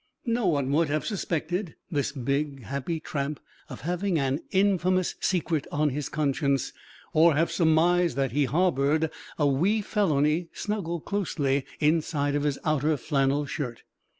No one would have suspected this big happy tramp of having an infamous secret on his conscience or have surmised that he harbored a wee felony snuggled closely inside of his outer flannel shirt.